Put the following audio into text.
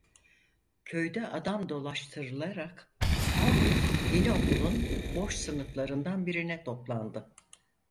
Köyde adam dolaştırılarak halk yeni okulun boş sınıflarından birine toplandı.